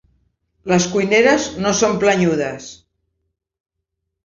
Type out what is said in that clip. Les cuineres no són planyudes.